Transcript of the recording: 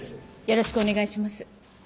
よろしくお願いします。